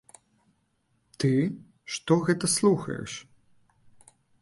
Ты, што гэта слухаеш?